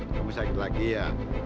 kamu sakit lagi ya